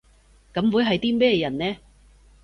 噉會係啲咩人呢？